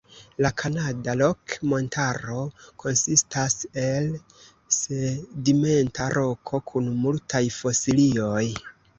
La Kanada Rok-Montaro konsistas el sedimenta roko, kun multaj fosilioj.